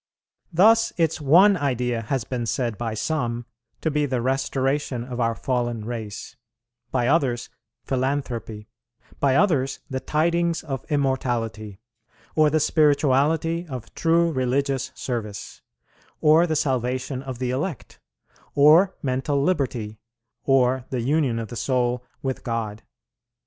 Thus its one idea has been said by some to be the restoration of our fallen race, by others philanthropy, by others the tidings of immortality, or the spirituality of true religious service, or the salvation of the elect, or mental liberty, or the union of the soul with God.